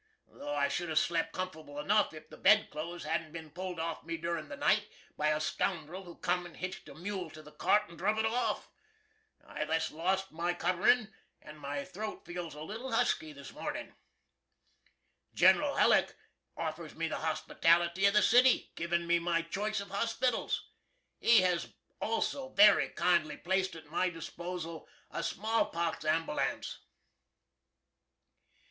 Tho' I should hav' slept comf'ble enuff if the bed clothes hadn't bin pulled off me durin' the night, by a scoundrul who cum and hitched a mule to the cart and druv it off. I thus lost my cuverin', and my throat feels a little husky this mornin'. Gin'ral Hulleck offers me the hospitality of the city, givin me my choice of hospitals. He has also very kindly placed at my disposal a smallpox amboolance.